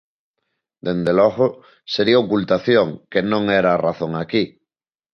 Dende logo, sería ocultación, que non era a razón aquí.